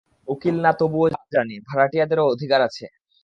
উকিল না তবুও জানি, ভাড়াটিয়াদেরও অধিকার আছে।